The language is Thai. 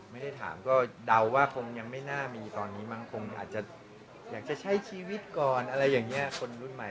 ไม่ได้ถามก็เดาว่าคงยังไม่น่ามีตอนนี้มั้งคงอาจจะอยากจะใช้ชีวิตก่อนอะไรอย่างนี้คนรุ่นใหม่